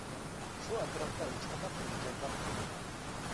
شۇ ئەتراپتا ھېچقانداق بىر جاندار قالمىغان.